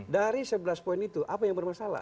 dari sebelas poin itu apa yang bermasalah